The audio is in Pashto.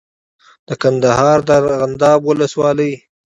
د کندهار د ارغنداب ولسوالۍ